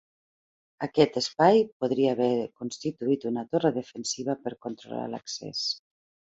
Aquest espai podria haver constituït una torre defensiva per controlar l'accés.